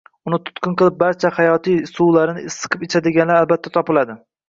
uni tutqun qilib, barcha hayotiy suvlarini siqib ichadiganlar albatta topiladi.